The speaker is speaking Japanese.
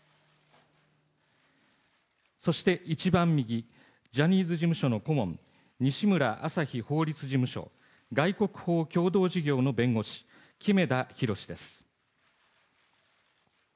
そして一番右、ジャニーズ事務所の顧問、西村あさひ法律事務所外国ほう共同事業の弁護士、木目田裕です。